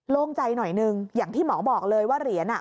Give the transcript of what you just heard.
โล่งใจหน่อยหนึ่งอย่างที่หมอบอกเลยว่าเหรียญ